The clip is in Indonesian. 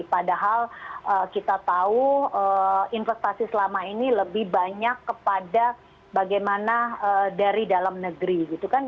padahal kita tahu investasi selama ini lebih banyak kepada bagaimana dari dalam negeri gitu kan